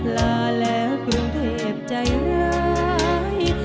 ลาแล้วกรุงเทพใจร้าย